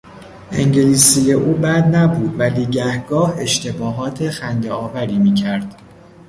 انگلیسی او بد نبود ولی گهگاه اشتباهات خندهآوری میکرد.